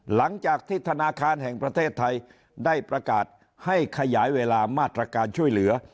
หลังจากที่ธนาคารแห่งประเทศไทยได้ประกาศให้ขยายเวลามาตรการช่วยเหลือ